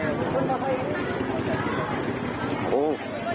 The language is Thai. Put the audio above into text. ตรงใจ